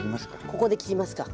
ここで切りますか。